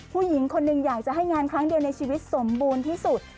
ผู้หญิงคนหนึ่งอยากจะให้งานครั้งเดียวในชีวิตสมบูรณ์ที่สุด